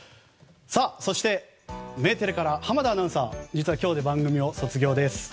そして、メテレから濱田アナウンサー実は今日で番組を卒業です。